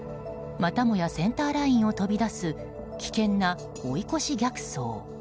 またもやセンターラインを飛び出す危険な追い越し逆走。